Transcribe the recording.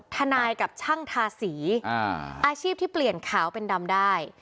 ทนายกับช่างทาสีอาชีพที่เปลี่ยนขาวเป็นดำได้